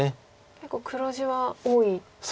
結構黒地は多いですか？